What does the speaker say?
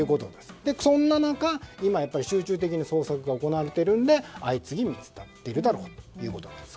そんな中、今、集中的に捜索が行われているので相次ぎ見つかっているだろうということです。